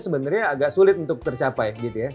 sebenarnya agak sulit untuk tercapai gitu ya